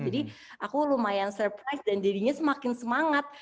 jadi aku lumayan surprise dan jadinya semakin semangat